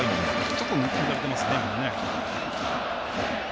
ちょっと抜いてますね。